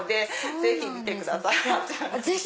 ぜひ見させてください。